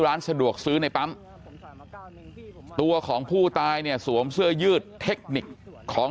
ร้านสะดวกซื้อในปั๊มตัวของผู้ตายเนี่ยสวมเสื้อยืดเทคนิคของ